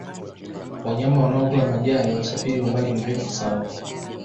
wanyama wanaokula majani wanasafiri umbali mrefu sana